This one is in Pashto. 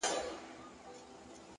پرون مي غوښي د زړگي خوراك وې _